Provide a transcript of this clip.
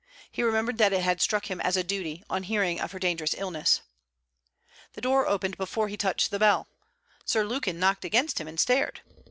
He remembered that it had struck him as a duty, on hearing of her dangerous illness. The door opened before he touched the bell. Sir Lukin knocked against him and stared.